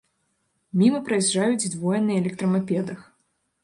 Міма праязджаюць двое на электрамапедах.